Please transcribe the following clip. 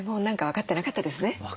分かってなかったです。